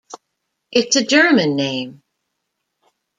It's a German name.